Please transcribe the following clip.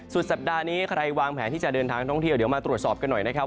สุดสัปดาห์นี้ใครวางแผนที่จะเดินทางท่องเที่ยวเดี๋ยวมาตรวจสอบกันหน่อยนะครับ